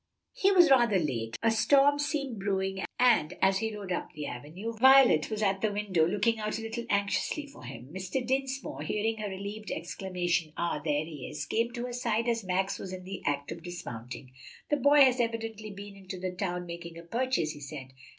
He was rather late: a storm seemed brewing, and as he rode up the avenue Violet was at the window looking out a little anxiously for him. Mr. Dinsmore, hearing her relieved exclamation, "Ah, there he is!" came to her side as Max was in the act of dismounting. "The boy has evidently been into the town making a purchase," he said.